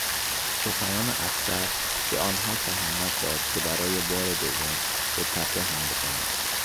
سخنان افسر به آنهاشهامت داد که برای بار دوم به تپه حمله کنند.